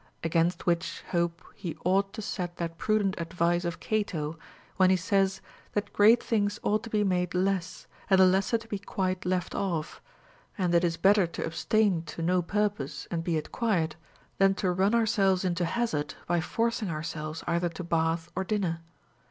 Against which hope he ought to set that prudent advice of Cato, when he says that great things ought to be made less, and the lesser to be quite left οΑ"; and that it is better to abstain to no pui pose and be at quiet, than to run ourselves into hazard by foicing ourselves either to bath or dinner.